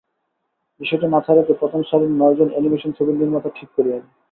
বিষয়টি মাথায় রেখে প্রথম সারির নয়জন অ্যানিমেশন ছবির নির্মাতা ঠিক করি আমি।